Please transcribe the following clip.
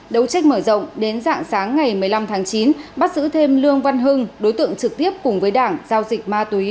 đấu trách mở rộng đến dạng sáng ngày một mươi năm tháng chín bắt giữ thêm lương văn hưng đối tượng trực tiếp cùng với đảng giao dịch ma túy